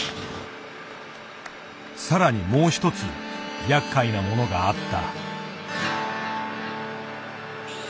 更にもう一つやっかいなものがあった。